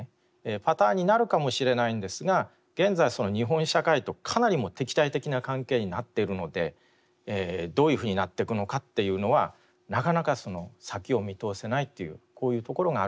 パターンになるかもしれないんですが現在日本社会とかなり敵対的な関係になっているのでどういうふうになっていくのかっていうのはなかなか先を見通せないっていうこういうところがあるかなと思います。